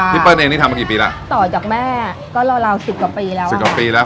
เปิ้ลเองนี่ทำมากี่ปีแล้วต่อจากแม่ก็ราวราวสิบกว่าปีแล้วสิบกว่าปีแล้ว